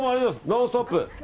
「ノンストップ！」。